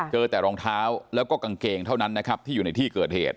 เจอแต่รองเท้าแล้วก็กางเกงเท่านั้นนะครับที่อยู่ในที่เกิดเหตุ